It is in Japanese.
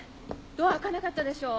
ドア開かなかったでしょ